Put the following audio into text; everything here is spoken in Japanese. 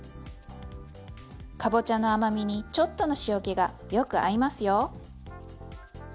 かぼちゃの甘みにちょっとの塩気がよく合いますよ。